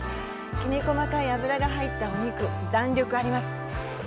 きめ細かい脂が入ったお肉、弾力あります。